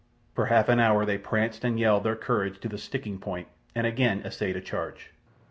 For half an hour they pranced and yelled their courage to the sticking point, and again essayed a charge.